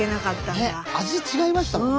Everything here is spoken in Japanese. ね味違いましたもんね。